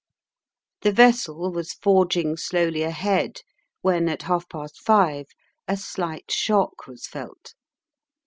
The vessel was forging slowly ahead, when, at half past five, a slight shock was felt.